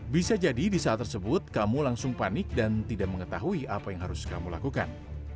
bisa jadi di saat tersebut kamu langsung panik dan tidak mengetahui apa yang harus kamu lakukan